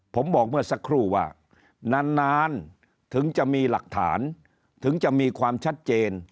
ผมบอกเมื่อสักครู่ว่านานถึงจะมีหลักฐานถึงจะมีความชัดเจน